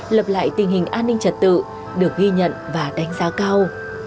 lập lại tình hình an ninh trật tự được ghi nhận và đánh giá cao